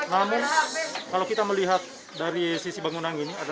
namun kalau kita melihat dari sisi bangunan ini